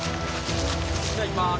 じゃあいきます。